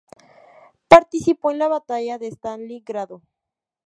Participó en la Batalla de Stalingrado.